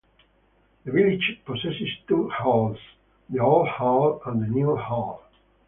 The village possesses two halls; the Old Hall and New Hall.